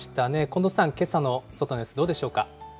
近藤さん、けさの外の様子、どうでしょうか。